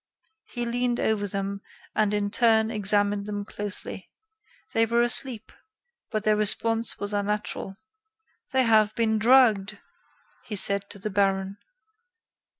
He leaned over them and, in turn, examined them closely. They were asleep; but their response was unnatural. "They have been drugged," he said to the baron.